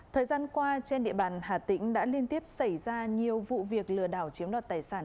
thời gian qua trên địa bàn hà tĩnh đã liên tiếp xảy ra nhiều vụ việc lừa đảo chiếm đoạt tài sản